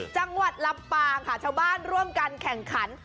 จังหวัดลำปางค่ะชาวบ้านร่วมกันแข่งขัน